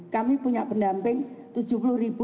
kami punya pendamping rp tujuh puluh